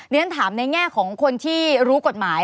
เดี๋ยวจะถามในแง่ของคนที่รู้กฎหมาย